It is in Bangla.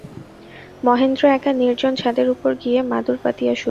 মহেন্দ্র একা নির্জন ছাদের উপর গিয়া মাদুর পাতিয়া শুইল।